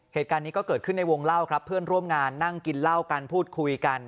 เหตุการณ์นี้ก็เกิดขึ้นในวงเล่าครับเพื่อนร่วมงานนั่งกินเหล้ากันพูดคุยกัน